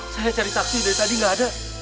saya cari taksi dari tadi nggak ada